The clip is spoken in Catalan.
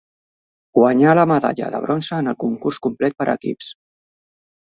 Guanyà la medalla de bronze en el concurs complet per equips.